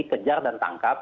kejar dan tangkap